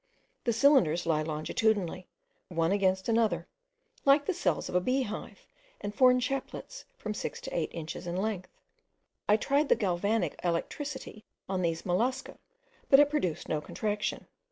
The cylinders lie longitudinally, one against another, like the cells of a bee hive, and form chaplets from six to eight inches in length. I tried the galvanic electricity on these mollusca, but it produced no contraction.